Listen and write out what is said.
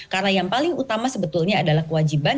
karena yang paling utama sebetulnya adalah kewajiban